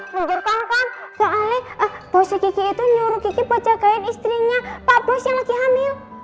luker kan soale bose gigi itu nyuruh gigi buat jagain istrinya pak bos yang lagi hamil